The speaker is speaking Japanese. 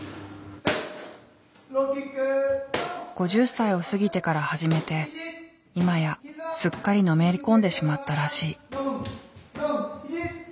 ５０歳を過ぎてから始めて今やすっかりのめり込んでしまったらしい。